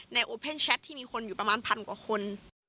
โอเพ่นแชทที่มีคนอยู่ประมาณพันกว่าคน